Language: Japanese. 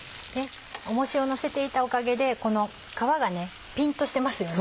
重しをのせていたおかげでこの皮がピンとしてますよね。